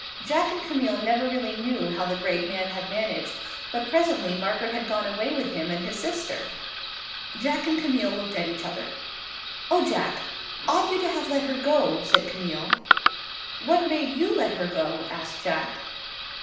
Jack and Camille never really knew how the great man had managed, but presently Margaret had gone away with him and his sister. Jack and Camille looked at each other. "Oh, Jack, ought you to have let her go?" said Camille. "What made you let her go?" asked Jack.